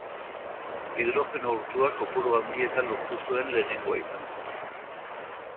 Hidrogeno urtua kopuru handietan lortu zuen lehenengoa izan zen.